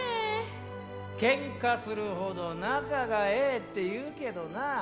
「喧嘩するほど仲がええ」っていうけどな。